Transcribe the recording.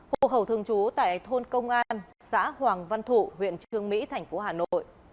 hồ hậu thường trú tại thôn công an xã hoàng văn thụ huyện trương mỹ thành phố hà nội